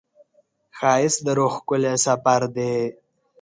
ښایست د روح ښکلی سفر دی